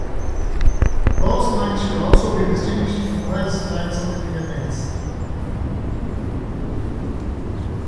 Beau's lines should also be distinguished from Muehrcke's lines of the fingernails.